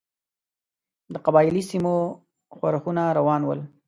د قبایلي سیمو ښورښونه روان ول.